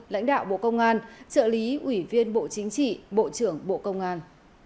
lãnh đạo bộ công an trợ lý ủy viên bộ chính trị bộ trưởng bộ công an